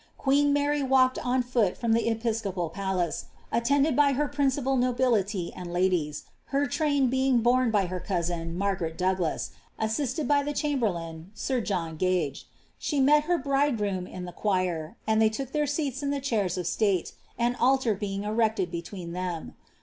Queen Mary walked on foot from the episcopal palace, attended by her principal nobility and ladies — her tram being borne by her cousin, Margaret Douglas, assisted by the chamberlain, sir John Gage. She met her briile groom in ihe choir, and they look iheir seal* in ihe chairs of state, an altar being erected between them.